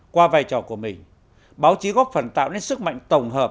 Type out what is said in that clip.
qua vai trò của mình báo chí góp phần tạo nên sức mạnh tổng hợp